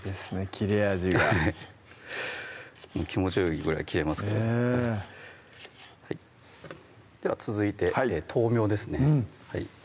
切れ味が気持ちよいぐらい切れますねぇでは続いて豆苗ですね